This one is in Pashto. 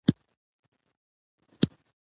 په نري تار مي تړلې یارانه ده